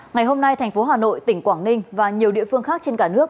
ngày hôm nay thành phố hà nội tỉnh quảng ninh và nhiều địa phương khác trên cả nước